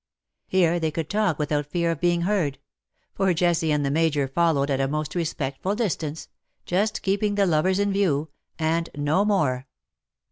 Here they could talk without fear of being heard ; for Jessie and the Major followed at a most respectful distance — just keeping the lovers in view, and no more.